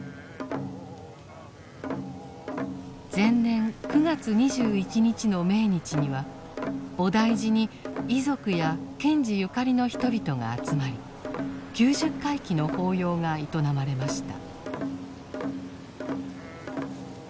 前年９月２１日の命日には菩提寺に遺族や賢治ゆかりの人々が集まり九十回忌の法要が営まれました。